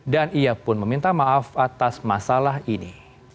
dan ia pun meminta maaf atas masalah ini